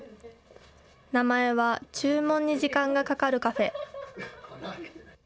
名前は注文に時間がかかるカフェ。